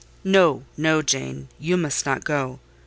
"No—no—Jane; you must not go.